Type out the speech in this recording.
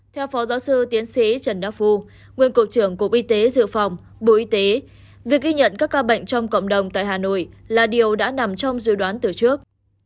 theo phó giáo sư tiến sĩ trần đắc phu nguyên cục trưởng cục y tế dự phòng bộ y tế việc ghi nhận các ca bệnh trong cộng đồng tại hà nội là điều đã nằm trong dự đoán từ trước